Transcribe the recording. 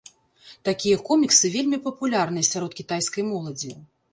Такія коміксы вельмі папулярныя сярод кітайскай моладзі.